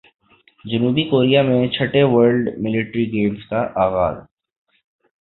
جنوبی کوریا میں چھٹے ورلڈ ملٹری گیمز کا اغاز